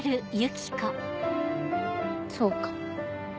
そうかも。